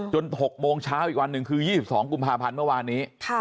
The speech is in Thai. ๖โมงเช้าอีกวันหนึ่งคือ๒๒กุมภาพันธ์เมื่อวานนี้